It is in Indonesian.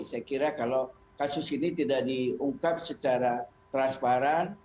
saya kira kalau kasus ini tidak diungkap secara transparan